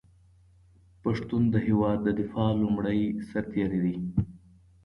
پښتون د هېواد د دفاع لومړی سرتېری دی.